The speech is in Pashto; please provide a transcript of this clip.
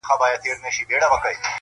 د اسلام اخلاقي نظام